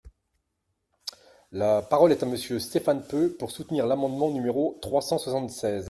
La parole est à Monsieur Stéphane Peu, pour soutenir l’amendement numéro trois cent soixante-seize.